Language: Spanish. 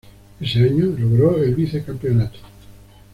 Ese año logró el vice-campeonato.